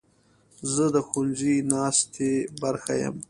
زه د ښوونځي ناستې برخه یم.